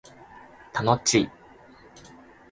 楽しい